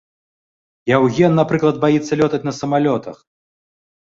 Яўген, напрыклад, баіцца лётаць на самалётах.